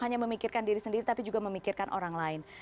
hanya memikirkan diri sendiri tapi juga memikirkan orang lain